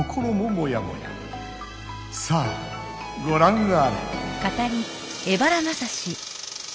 さあごらんあれ！